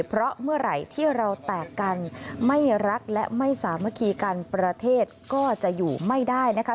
เพราะเมื่อไหร่ที่เราแตกกันไม่รักและไม่สามารถคีกันประเทศก็จะอยู่ไม่ได้นะคะ